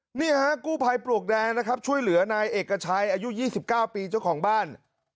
นี่ฮะกู้ภัยปลวกแดงนะครับช่วยเหลือนายเอกชัยอายุ๒๙ปีเจ้าของบ้าน